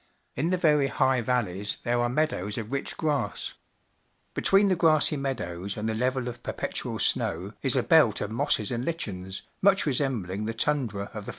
In the very high valleys there are meadows of rich grass. Between the grassy meadows and the level of perpetual snow, is a belt of mosses and lichens, much resem bling the tundra of the